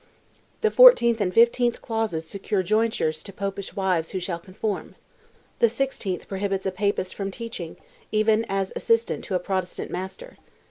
The fourteenth and fifteenth clauses secure jointures to Popish wives who shall conform. The sixteenth prohibits a Papist from teaching, even as assistant to a Protestant master.